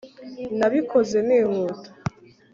Nabikoze nihuta